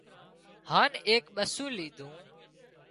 هانَ ايڪ ٻسُون ليڌون